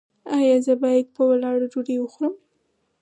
ایا زه باید په ولاړه ډوډۍ وخورم؟